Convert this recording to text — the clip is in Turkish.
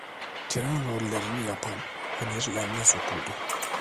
Tiran rollerini yapan Münir yanına sokuldu: